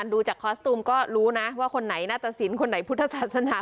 ดูจากคอสตูมก็รู้นะว่าคนไหนหน้าตะสินคนไหนพุทธศาสนา